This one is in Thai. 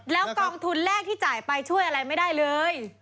แล้วกองทุนแรกที่จ่ายไปช่วยอะไรไม่ได้เลย